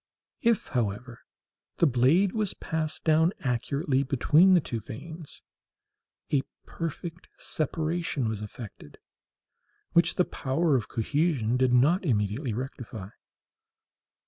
If, however, the blade was passed down accurately between the two veins, a perfect separation was effected, which the power of cohesion did not immediately rectify.